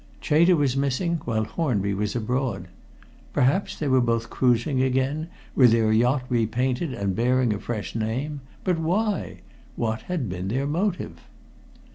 Chater was missing, while Hornby was abroad. Perhaps they were both cruising again, with their yacht repainted and bearing a fresh name. But why? What had been their motive?